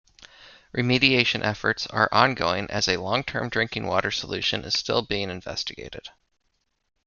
Remediation efforts are ongoing as a long-term drinking water solution is still being investigated.